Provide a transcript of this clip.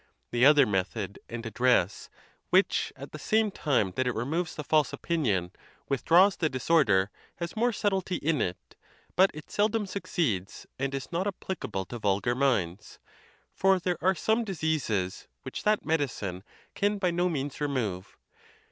The other method and address, which, at the same time that it removes the false opinion, withdraws the disorder, has more subtlety in it; but it seldom succeeds, and is not applicable to vulgar minds, for there are some dis eases which that medicine can by no means remove.